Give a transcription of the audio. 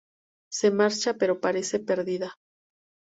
Se marcha, pero parece perdida.